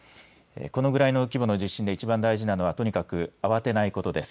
このぐらいの規模の地震でいちばん大事なのはとにかく慌てないことです。